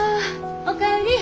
おかえり。